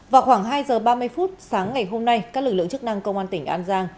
vào khoảng hai giờ ba mươi phút sáng ngày hôm nay các lực lượng chức năng công an tp vũng tàu